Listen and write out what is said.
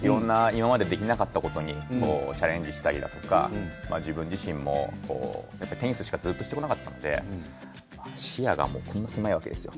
今までできなかったことにチャレンジしたりとか自分自身もテニスしかしてこなかったので視野がこんなに狭いわけですよ。